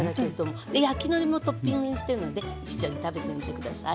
焼きのりもトッピングしてるので一緒に食べてみて下さい。